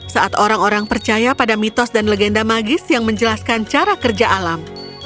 saat orang orang percaya pada mitos dan legenda magis yang menjelaskan cara kerja alam